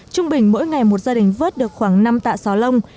trung bình mỗi ngày một gia đình vớt được khoảng năm tạ xóa lông